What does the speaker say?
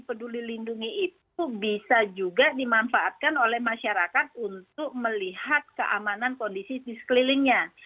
peduli lindungi itu bisa juga dimanfaatkan oleh masyarakat untuk melihat keamanan kondisi di sekelilingnya